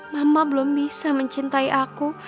mama belum bisa mencintai aku